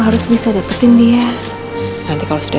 akibat benturan hebat yang dialami tadi